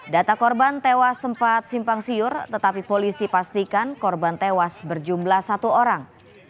data korban tewas sempat simpang siur tetapi polisi pastikan korban tewas berjumlah satu orang